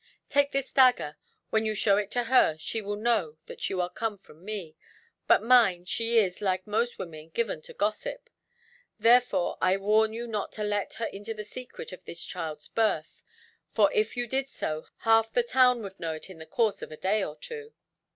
"Take this dagger. When you show it to her, she will know that you come from me; but mind, she is, like most women, given to gossip; therefore I warn you not to let her into the secret of this child's birth, for if you did so, half the town would know it in the course of a day or two.